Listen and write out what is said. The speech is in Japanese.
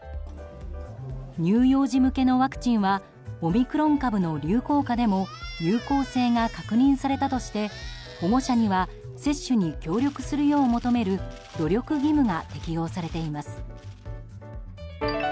乳幼児向けのワクチンはオミクロン株の流行下でも有効性が確認されたとして保護者には接種に協力するよう求める努力義務が適用されています。